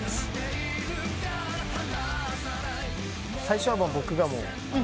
最初は僕がもう。